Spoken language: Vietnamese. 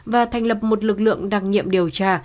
và thành lập một lực lượng đặc nhiệm điều tra